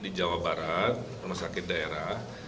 di jawa barat rumah sakit daerah